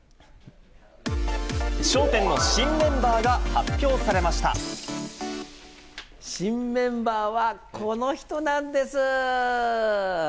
笑点の新メンバーが発表され新メンバーはこの人なんです。